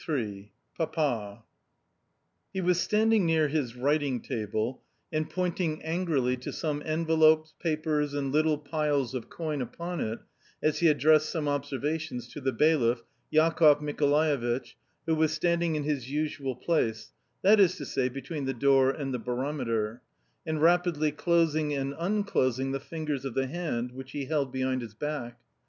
III PAPA He was standing near his writing table, and pointing angrily to some envelopes, papers, and little piles of coin upon it as he addressed some observations to the bailiff, Jakoff Michaelovitch, who was standing in his usual place (that is to say, between the door and the barometer) and rapidly closing and unclosing the fingers of the hand which he held behind his back.